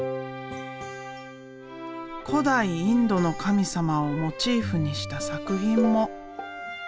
古代インドの神様をモチーフにした作品も。